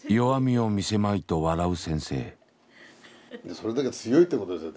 それだけ強いってことですよ